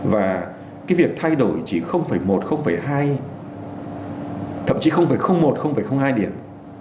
và cái việc thay đổi chỉ một hai thậm chí một hai điểm